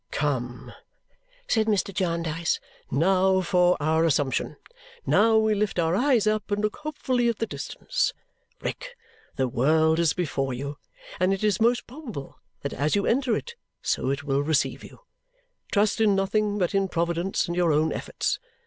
"Come!" said Mr. Jarndyce. "Now for our assumption. Now we lift our eyes up and look hopefully at the distance! Rick, the world is before you; and it is most probable that as you enter it, so it will receive you. Trust in nothing but in Providence and your own efforts.